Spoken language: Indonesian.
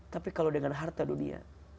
tapi kalau dengan harta dunia